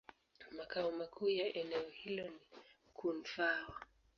Makao makuu ya eneo hilo ni Koun-Fao.